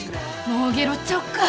もうゲロっちゃおうか。